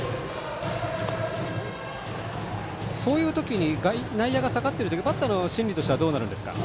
そういう時に内野が下がっている時にバッターの心理としてはどうなるんですか。